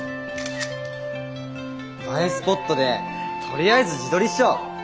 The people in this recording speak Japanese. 映えスポットでとりあえず自撮りっしょ。